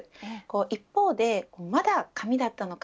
一方で、まだ紙だったのか。